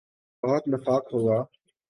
بہت نفاق ہو گا۔